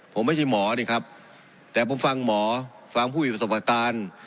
ผมไม่ใช่หมอนี่ครับแต่ผมฟังหมอฟังผู้ผู้ผู้หญิงประสงค์ประการ